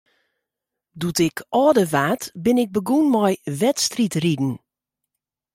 Doe't ik âlder waard, bin ik begûn mei wedstriidriden.